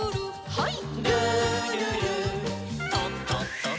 はい。